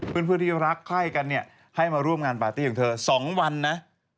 เพื่อนที่รักไข้กันเนี่ยให้มาร่วมงานปาร์ตี้ของเธอ๒วันนะ